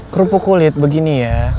kerupuk kulit begini ya